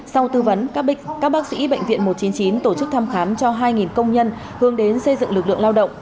sau tư vấn các bác sĩ bệnh viện một trăm chín mươi chín tổ chức thăm khám cho hai công nhân hướng đến xây dựng lực lượng lao động